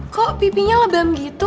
kok pipinya lebam gitu